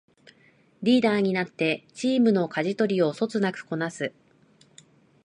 リーダーになってチームのかじ取りをそつなくこなす